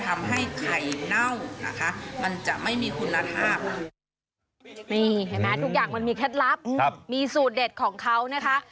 มีสูตรเด็ดของเขานะคะ